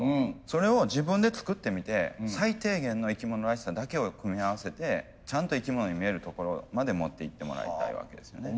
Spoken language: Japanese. それを自分で作ってみて最低限の生き物らしさだけを組み合わせてちゃんと生き物に見えるところまで持っていってもらいたいわけですよね。